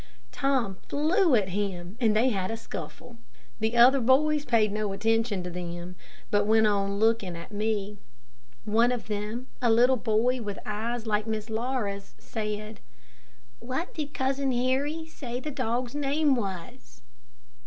Tom flew at him, and they had a scuffle. The other boys paid no attention to them, but went on looking at me. One of them, a little boy with eyes like Miss Laura's, said, "What did Cousin Harry say the dog's name was?"